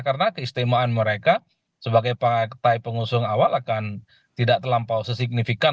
karena keistimewaan mereka sebagai partai pengusung awal akan tidak terlampau sesignifikan